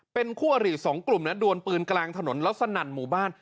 เป็นคู่อริสองกลุ่มนะดวนปืนกลางถนนแล้วสนั่นหมู่บ้าน